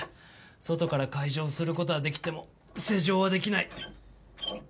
外から解錠する事はできても施錠はできない。